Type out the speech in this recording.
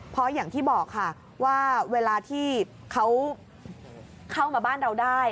เพราะอย่างที่บอกค่ะว่าเวลาที่เขาเข้ามาบ้านเราได้